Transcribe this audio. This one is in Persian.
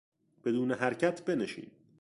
بدون حرکت بنشین!